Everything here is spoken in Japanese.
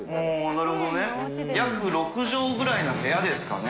なるほどね約６畳ぐらいの部屋ですかね？